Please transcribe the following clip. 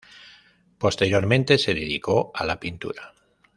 Posteriormente, se dedicó a la pintura.